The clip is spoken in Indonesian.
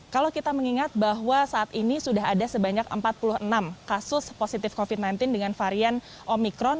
kalau kita mengingat bahwa saat ini sudah ada sebanyak empat puluh enam kasus positif covid sembilan belas dengan varian omikron